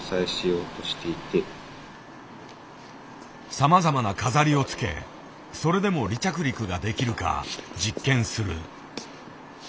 さまざまな飾りを付けそれでも離着陸ができるか実験する。